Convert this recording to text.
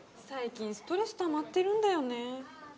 最近ストレスたまってるんだよね。